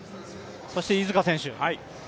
そして、飯塚選手